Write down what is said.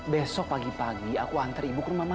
besok pagi pagi aku antar ibu ke rumah mana